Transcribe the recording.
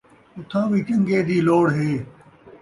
اُتھاں وی چنڳے دی لوڑ ہے